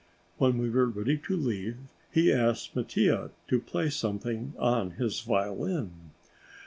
When we were ready to leave he asked Mattia to play something on his violin.